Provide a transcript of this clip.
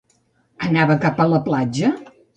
Anava cap a la platja?